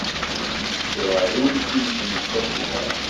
Ddreɣ deg umtiweg n Sakura.